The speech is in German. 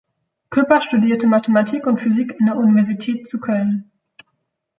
Küpper studierte Mathematik und Physik an der Universität zu Köln.